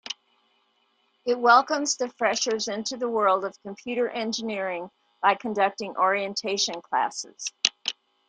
It welcomes the freshers into the world of computer engineering by conducting orientation classes.